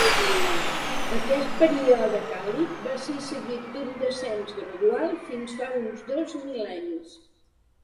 Aquest període càlid va ser seguit d'un descens gradual fins fa uns dos mil·lennis.